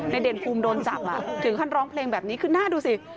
เด่นภูมิโดนจับถึงขั้นร้องเพลงแบบนี้คือหน้าดูสิ